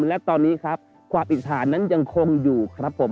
และตอนนี้ครับความอิจฉานนั้นยังคงอยู่ครับผม